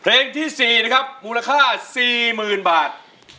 เพลงที่๔นะครับมูลค่า๔๐๐๐บาท